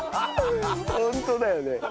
ホントだよね。